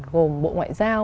gồm bộ ngoại giao